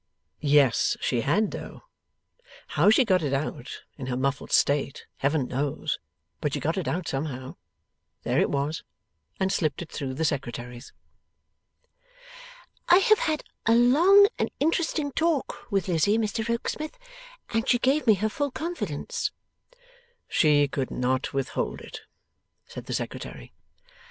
Yes she had though. How she got it out, in her muffled state, Heaven knows; but she got it out somehow there it was and slipped it through the Secretary's. 'I have had a long and interesting talk with Lizzie, Mr Rokesmith, and she gave me her full confidence.' 'She could not withhold it,' said the Secretary.